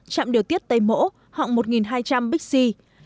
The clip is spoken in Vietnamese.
trạm điều tiết tây mỗ họng một hai trăm linh bixi